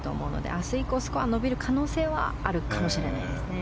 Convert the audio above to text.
明日以降、スコアが伸びる可能性はあるかもしれないですね。